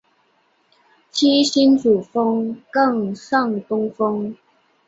七星主峰更胜东峰